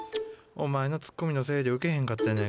お前のツッコミのせいでウケへんかったやないか。